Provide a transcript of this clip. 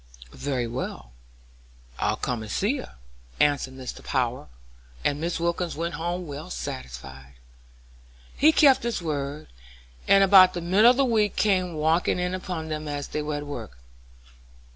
"Very well, I'll come and see her," answered Mr. Power, and Mrs. Wilkins went home well satisfied. He kept his word, and about the middle of the week came walking in upon them as they were at work.